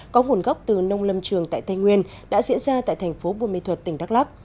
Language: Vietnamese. có nguồn gốc từ nông lâm trường tại tây nguyên đã diễn ra tại thành phố buôn mê thuật tỉnh đắk lắc